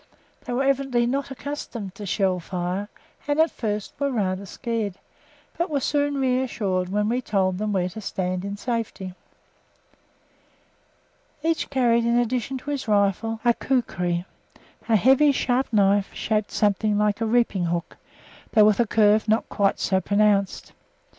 They were evidently not accustomed to shell fire, and at first were rather scared, but were soon reassured when we told them where to stand in safety. Each carried in addition to his rifle a Kukri a heavy, sharp knife, shaped something like a reaping hook, though with a curve not quite so pronounced.